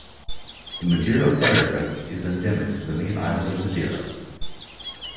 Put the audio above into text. The Madeira firecrest is endemic to the main island of Madeira.